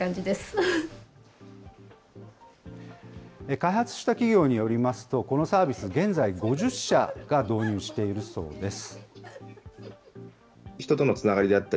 開発した企業によりますと、このサービス、現在５０社が導入しているそうです。